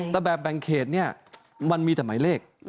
แต่แบบแบ่งเขตเนี่ยมันมีแต่หมายเลข